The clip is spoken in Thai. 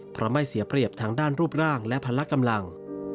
เพราะไม่เสียเปรียบทางด้านรูปร่างและพละกำลัง